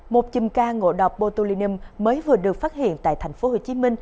một chùm ca ngộ độc botulinum mới vừa được phát hiện tại tp hcm